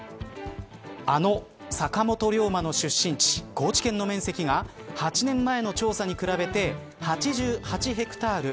あの坂本龍馬の出身地高知県の面積が８年前の調査に比べて８８ヘクタール